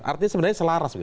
artinya sebenarnya selaras